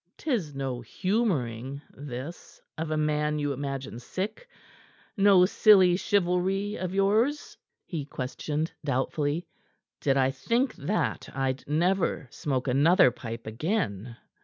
"'Tis no humoring, this, of a man you imagine sick no silly chivalry of yours?" he questioned doubtfully. "Did I think that, I'd never smoke another pipe again."